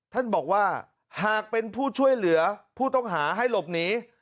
ท่านบอกว่าหากเป็นผู้ช่วยเหลือผู้ต้องหาให้หลบหนี